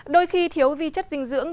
đôi khi thiếu vị chất dinh dưỡng